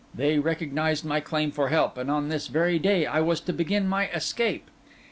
They recognised my claim for help, and on this very day I was to begin my escape.